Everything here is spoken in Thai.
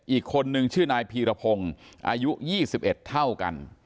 อีกคนนึงชื่อนายพีรพงศ์อายุ๒๑เท่ากัน